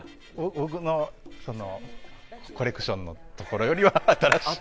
僕のコレクションのところよりは新しい。